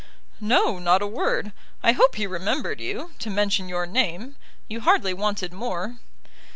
"No; not a word. I hope he remembered you, to mention your name. You hardly wanted more."